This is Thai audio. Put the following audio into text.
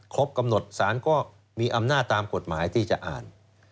ครบกำหนดสารก็มีอำนาจตามกฎหมายที่จะอ่าน